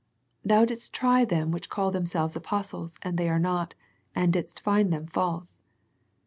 " Thou didst try them which call themselves apostles, and they are not, and didst find them false."